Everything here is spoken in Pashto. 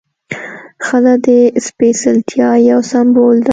ښځه د سپېڅلتیا یو سمبول ده.